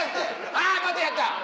あまたやった！